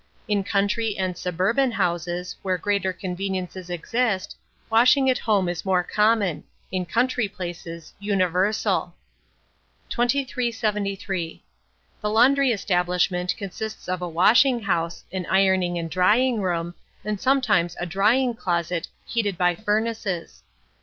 In country and suburban houses, where greater conveniences exist, washing at home is more common, in country places universal. 2373. The laundry establishment consists of a washing house, an ironing and drying room, and sometimes a drying closet heated by furnaces.